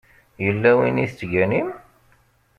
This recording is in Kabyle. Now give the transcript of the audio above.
Yella win i tettganim?